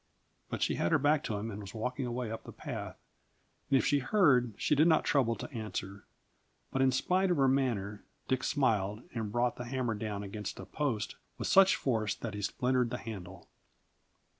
But she had her back to him, and was walking away up the path, and if she heard, she did not trouble to answer. But in spite of her manner, Dick smiled, and brought the hammer down against a post with such force that he splintered the handle.